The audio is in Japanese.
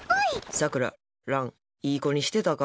さくら、蘭いい子にしてたか？